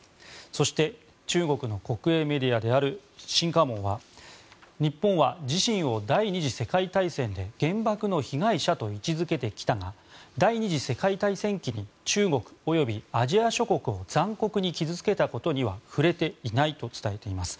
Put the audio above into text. そして、中国の国営メディアである新華網は日本は自信を第２次世界大戦で原爆の被害者と位置付けてきたが第２次世界大戦期に中国及びアジア諸国を残酷に傷付けたことには触れていないと伝えています。